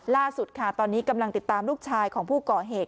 ล่าสุดค่ะตอนนี้กำลังติดตามลูกชายของผู้ก่อเหตุ